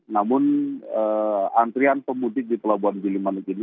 namun antrian pemudik di pelabuhan gilimanik ini